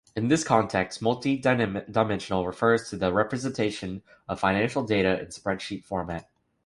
In this context, "multi-dimensional" refers to the representation of financial data in spreadsheet format.